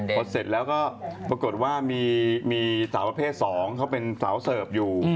พอเสร็จแล้วก็ปรากฏว่ามีสาวประเภท๒เขาเป็นสาวเสิร์ฟอยู่